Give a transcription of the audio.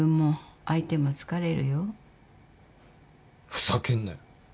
ふざけんなよ。